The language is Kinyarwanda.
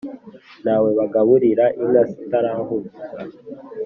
Ntawe bagaburira inka zitarahumuza